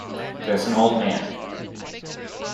There's an old man.